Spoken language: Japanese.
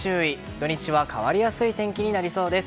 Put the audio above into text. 土日は変わりやすい天気になりそうです。